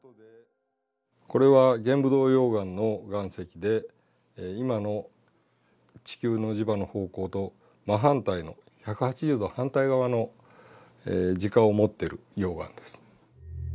これは玄武洞溶岩の岩石で今の地球の磁場の方向と真反対の１８０度反対側の磁化を持ってる溶岩です。